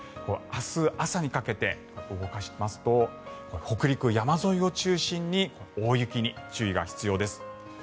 明日朝にかけて動かしますと北陸山沿いを中心に大雪に注意が必要です。